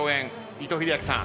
伊藤英明さん